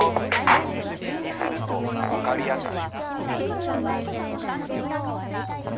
図にするとわかりやすい。